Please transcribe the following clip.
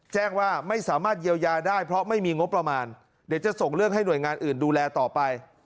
แจ้งว่าไม่สามารถเยียวยาได้เพราะไม่มีงบประมาณเดี๋ยวจะส่งเรื่องให้หน่วยงานอื่นดูแลต่อไป